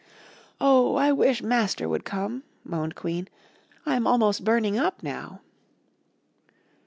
"Oh, I wish Master would come!" moaned Queen; "I am almost burning up now."